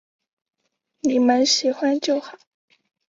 妳们喜欢就好